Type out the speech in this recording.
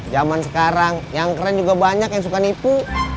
zaman sekarang yang keren juga banyak yang suka nipu